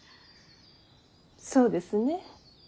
そうですね。